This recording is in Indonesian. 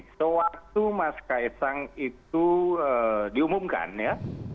sewaktu mas kaisang itu diumumkan ya